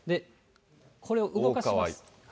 これを動かします。